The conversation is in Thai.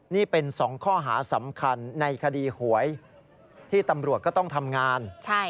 นี่เป็น๒ข้อหาสำคัญในคดีหวยที่ตำรวจก็ต้องทำงาน